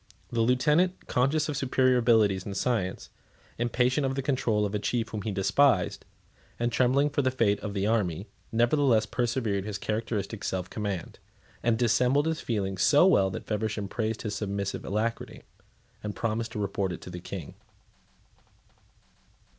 The lieutenant, conscious of superior abilities and science, impatient of the control of a chief whom he despised, and trembling for the fate of the army, nevertheless preserved his characteristic self command, and dissembled his feelings so well that Feversham praised his submissive alacrity, and promised to report it to the King.